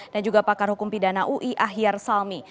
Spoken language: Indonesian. dan juga pakar hukum pidana ui ahyar salmi